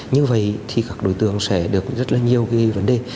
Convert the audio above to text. như vậy các đối tượng sẽ được rất nhiều vấn đề